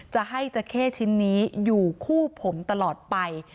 จะให้จราเข้ชิ้นนี้อยู่คู่ผมตลอดไป